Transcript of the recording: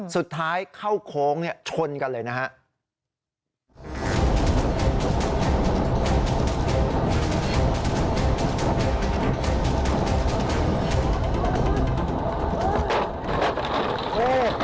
สุดท้ายเข้าโค้งชนกันเลยนะครับ